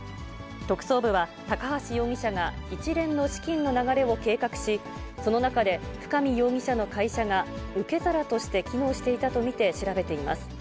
特捜部は、高橋容疑者が一連の資金の流れを計画し、その中で深見容疑者の会社が、受け皿として機能していたと見て調べています。